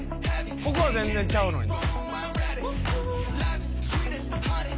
ここは全然ちゃうのに。